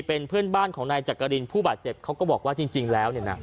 เป็นเพื่อนบ้านของนายจักรินผู้บาดเจ็บเขาก็บอกว่าจริงแล้วเนี่ยนะ